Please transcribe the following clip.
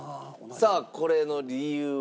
さあこれの理由は。